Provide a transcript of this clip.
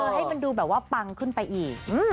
ให้มันดูแบบว่าปังขึ้นไปอีก